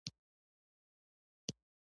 او دوه سوري يې د اوږدو څنډو په منځ کښې لرل.